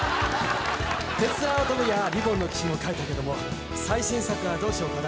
『鉄腕アトム』や『リボンの騎士』も描いたけども最新作はどうしようかな。